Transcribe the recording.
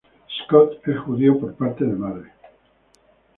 Scott es judío por parte de su madre.